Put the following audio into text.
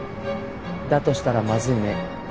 だとしたらまずいね。